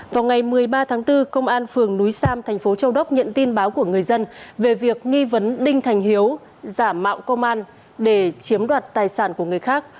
vào ngày một mươi ba tháng bốn công an phường núi sam thành phố châu đốc nhận tin báo của người dân về việc nghi vấn đinh thành hiếu giả mạo công an để chiếm đoạt tài sản của người khác